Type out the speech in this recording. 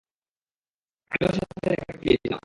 আমি ওর সাথে দেখা করতে গিয়েছিলাম।